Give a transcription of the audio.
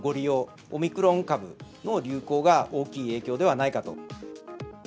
オミクロン株の流行が大きい影響ではないかと。